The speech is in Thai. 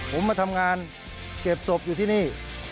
ผมมาทำงานเก็บศพอยู่ที่นี่